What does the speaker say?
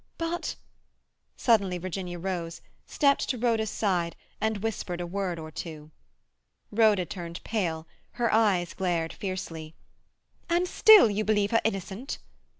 But—" Suddenly Virginia rose, stepped to Rhoda's side, and whispered a word or two. Rhoda turned pale; her eyes glared fiercely. "And still you believe her innocent?"